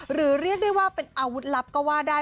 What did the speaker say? หรือเรียกได้ว่าเป็นอาวุธรัพย์ก็ว่าได้